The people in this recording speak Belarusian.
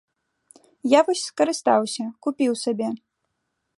Я вось скарыстаўся, купіў сабе.